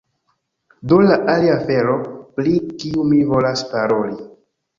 Do la alia afero, pri kiu mi volas paroli